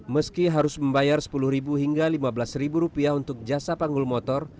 meski harus membayar sepuluh hingga lima belas rupiah untuk jasa panggul motor